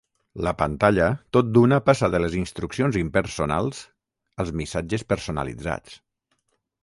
La pantalla tot d'una passa de les instruccions impersonals als missatges personalitzats.